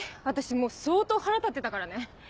私もう相当腹立ってたからね。